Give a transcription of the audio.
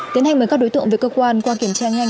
tiến hành mời các đối tượng về cơ quan qua kiểm tra nhanh